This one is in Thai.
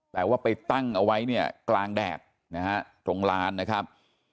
แต่ว่าไปตั้งเอาไว้เนี่ยกลางแดดนะฮะตรงลานนะครับ